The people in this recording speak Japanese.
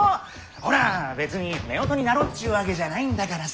ほら別に夫婦になろうっちゅうわけじゃないんだからさ。